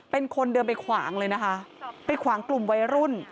เป็นคนเดินไปขวางเลยนะคะไปขวางกลุ่มวัยรุ่น